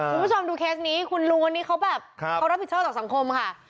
คุณผู้ชมดูเคสนี้คุณลูกวันนี้เขารอบผิดโชภากสังคมค่ะ